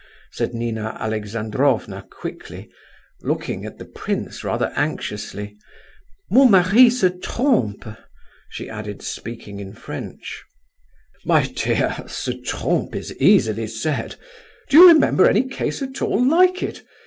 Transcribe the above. said Nina Alexandrovna quickly, looking, at the prince rather anxiously. "Mon mari se trompe," she added, speaking in French. "My dear, 'se trompe' is easily said. Do you remember any case at all like it?